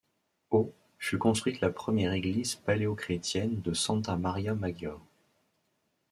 Au fut construite la première église paléochrétienne de Santa Maria Maggiore.